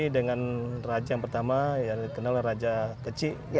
dan raja yang pertama yang dikenal raja kecik